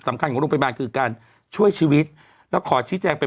สำคัญของโรงพยาบาลคือการช่วยชีวิตแล้วขอชี้แจงไป